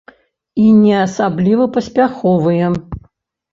І не асабліва паспяховыя.